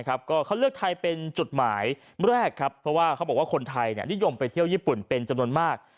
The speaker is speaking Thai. ก็เขาเลือกไทยเป็นจุดหมายแรกครับเพราะว่าเขาบอกว่าคนไทยนิยมไปเที่ยวญี่ปุ่นเป็นจำนวนมาก